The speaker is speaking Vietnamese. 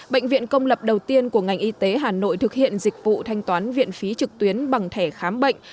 bệnh viện công lập đầu tiên của ngành y tế hà nội thực hiện dịch vụ thanh toán viện phí trực tuyến bằng thẻ khám bệnh